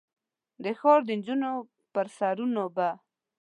د ښار د نجونو پر سرونو به ،